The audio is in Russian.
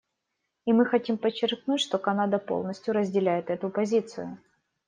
И мы хотим подчеркнуть, что Канада полностью разделяет эту позицию.